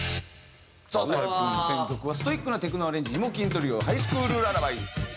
さあ体育君の選曲はストイックなテクノアレンジイモ欽トリオ『ハイスクールララバイ』。